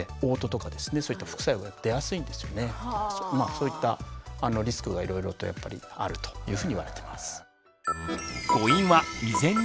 そういったリスクがいろいろとやっぱりあるというふうにいわれてます。